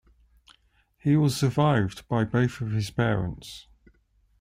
He was survived by both of his parents.